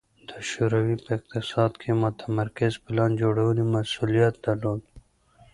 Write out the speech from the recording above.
د شوروي په اقتصاد کې د متمرکزې پلان جوړونې مسوولیت درلود